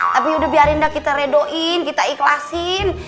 tapi udah biarin dah kita redoin kita ikhlasin